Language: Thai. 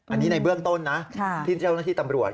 อันนี้ในเบื้องต้นนะที่เจ้าหน้าที่ตำรวจ